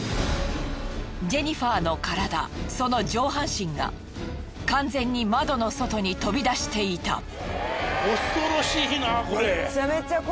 ジェニファーの体その上半身が完全に窓の外に飛び出していた。